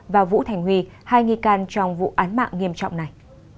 và vũ thành huy hai nghi can trong vụ án mạng nghiêm trọng này